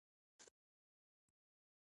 ازادي راډیو د امنیت په اړه د عبرت کیسې خبر کړي.